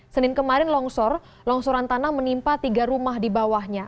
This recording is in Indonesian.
senin kemarin longsor longsoran tanah menimpa tiga rumah di bawahnya